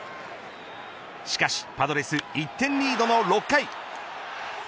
しかしパドレス１点リードの６回。